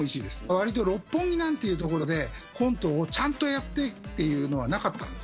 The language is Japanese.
わりと六本木なんていう所で、コントをちゃんとやってっていうのはなかったんです。